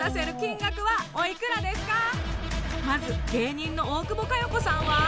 まず芸人の大久保佳代子さんは？